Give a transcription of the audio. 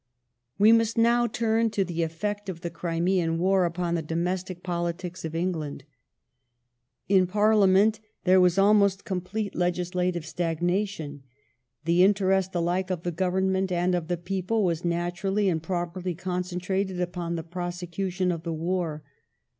U We must now turn to the effect of the Crimean War upon the English domestic politics of England. In Parliament there was almost ^"^"<=^ complete legislative stagnation. The interest alike of the Govern ment and of the people was naturally and properly concentrated upon the prosecution of the war.